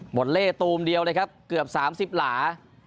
เล่ตูมเดียวเลยครับเกือบ๓๐หลา